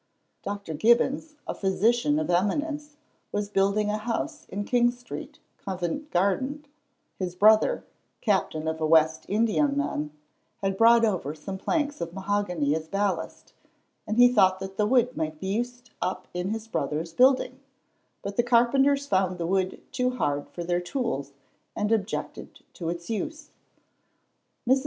Dr. Gibbons, a physician of eminence, was building a house in King street, Covent garden; his brother, captain of a West Indiaman, had brought over some planks of mahogany as ballast, and he thought that the wood might be used up in his brother's building, but the carpenters found the wood too hard for their tools, and objected to use it. Mrs.